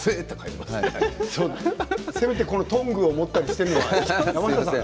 せめてトングを持ったりしているのが。